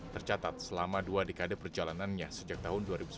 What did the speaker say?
tercatat selama dua dekade perjalanannya sejak tahun dua ribu sembilan belas